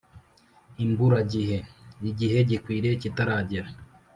imburagihe: igihe gikwiriye kitaragera,